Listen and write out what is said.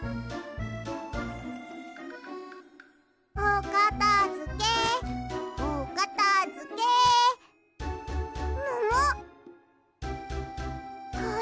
おかたづけおかたづけ。ももっ！？